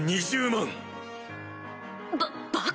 ２０万